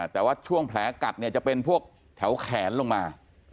แต่ว่าช่วงแผลกัดเนี่ยจะเป็นพวกแถวแขนลงมา